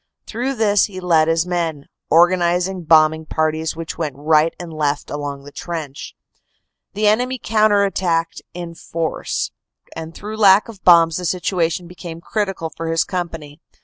Through this he led his men, organizing bombing parties, which went right and left along the trench. The enemy counter attacked in force, and through lack of bombs the situation became critical for his company.